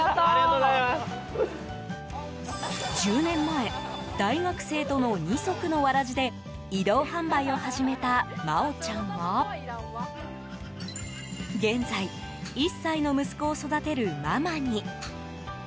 １０年前大学生との二足のわらじで移動販売を始めた真央ちゃんは現在１歳の息子を育てるママに。